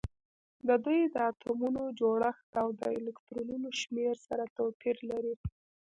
د دوی د اتومونو جوړښت او د الکترونونو شمیر سره توپیر لري